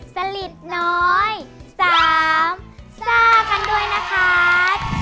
สลิดน้อย๓ซ่ากันด้วยนะครับ